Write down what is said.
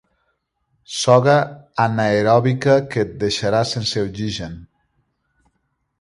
Soga anaeròbica que et deixarà sense oxigen.